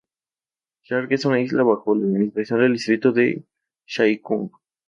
Sharp es una isla bajo la administración del distrito de Sai Kung.